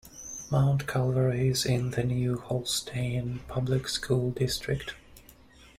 Mount Calvary is in the New Holstein Public School District.